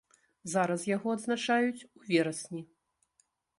Зараз яго адзначаюць у верасні.